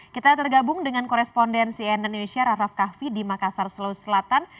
kita tergabung dengan koresponden cnn indonesia rav rav kahvi di makassar sulawesi selatan